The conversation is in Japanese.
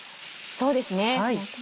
そうですね。